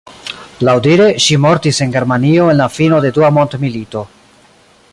Laŭdire, ŝi mortis en Germanio en la fino de Dua Mondmilito.